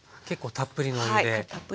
たっぷりのお湯で。